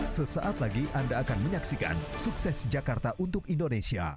sesaat lagi anda akan menyaksikan sukses jakarta untuk indonesia